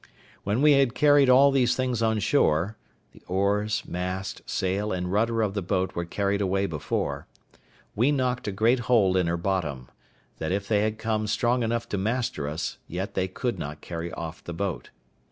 When we had carried all these things on shore (the oars, mast, sail, and rudder of the boat were carried away before), we knocked a great hole in her bottom, that if they had come strong enough to master us, yet they could not carry off the boat.